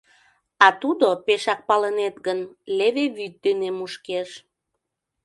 А тудо, пешак палынет гын, леве вӱд дене мушкеш.